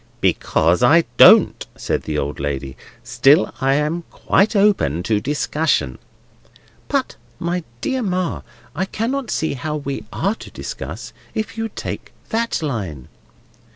"Because I don't," said the old lady. "Still, I am quite open to discussion." "But, my dear Ma, I cannot see how we are to discuss, if you take that line."